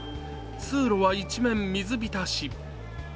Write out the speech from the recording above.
通路は一面、水浸し。